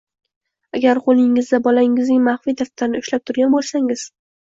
Agar qo‘lingizda bolangizning maxfiy daftarini ushlab turgan bo‘lsangiz